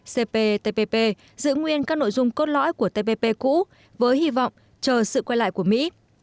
cptpp giữ nguyên các nội dung cốt lõi của tpp cũ với hy vọng chờ sự quay lại của mỹ